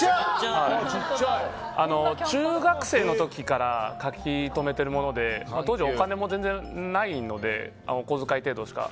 中学生の時から書き留めてるもので当時はお金も全然ないのでお小遣い程度しか。